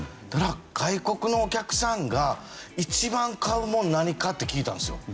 外国のお客さんが一番買うもの何か？って聞いたんですよ。